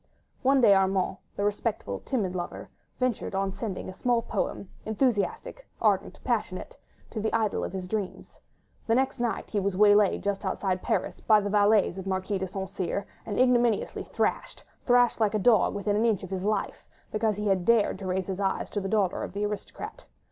One day Armand, the respectful, timid lover, ventured on sending a small poem—enthusiastic, ardent, passionate—to the idol of his dreams. The next night he was waylaid just outside Paris by the valets of the Marquis de St. Cyr, and ignominiously thrashed—thrashed like a dog within an inch of his life—because he had dared to raise his eyes to the daughter of the aristocrat.